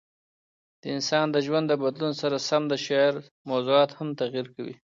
د انسان د ژوند د بدلون سره سم د شعر موضوعات هم تغیر کوي.